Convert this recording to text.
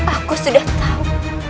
aku sudah tahu